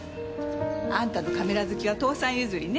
あんたのカメラ好きは父さん譲りね。